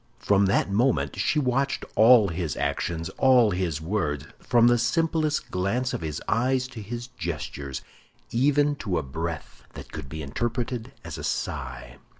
From that moment she watched all his actions, all his words, from the simplest glance of his eyes to his gestures—even to a breath that could be interpreted as a sigh.